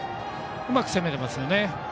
うまく攻めてますよね。